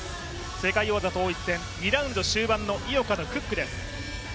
世界王座統一戦２ラウンド終盤の井岡のフックです